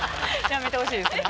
やめてほしいですね。